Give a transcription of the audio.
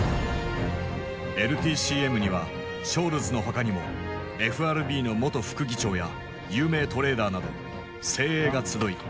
ＬＴＣＭにはショールズの他にもＦＲＢの元副議長や有名トレーダーなど精鋭が集い